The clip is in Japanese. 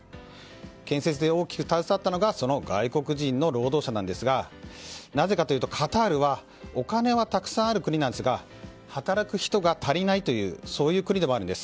建設で大きく携わったのがその外国人の労働者ですがなぜかというとカタールはお金はたくさんある国ですが働く人が足りないという国でもあるんです。